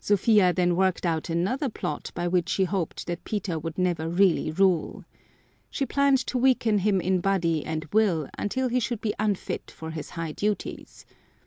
Sophia then worked out another plot by which she hoped that Peter would never really rule. She planned to weaken him in body and will until he should be unfit for his high duties.